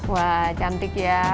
wah cantik ya